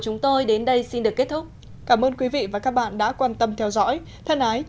chúng tôi đến đây xin được kết thúc cảm ơn quý vị và các bạn đã quan tâm theo dõi thân ái chào tạm biệt